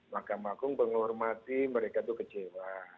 mahkamah agung menghormati mereka itu kecewa